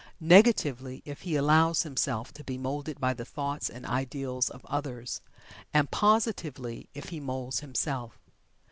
Negatively, if he allows himself to be moulded by the thoughts and ideals of others, and positively, if he moulds himself.